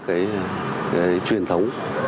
cái truyền thống